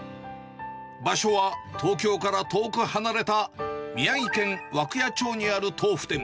場所は東京から遠く離れた宮城県涌谷町にある豆腐店。